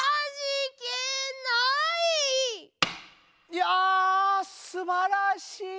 いやすばらしい！